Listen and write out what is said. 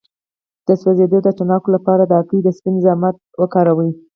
د سوځیدو د تڼاکو لپاره د هګۍ د سپین ضماد وکاروئ